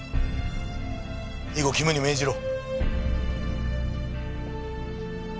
以後肝に銘じろ。